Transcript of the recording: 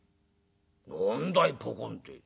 「何だい『ポコン』って？